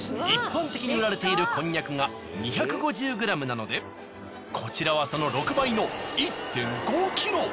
一般的に売られているこんにゃくが２５０ｇなのでこちらはその６倍の１．５ｋｇ！